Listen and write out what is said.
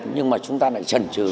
nhưng mà chúng ta lại trần trừ